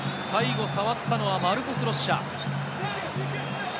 最後触ったのはマルコス・ロッシャ。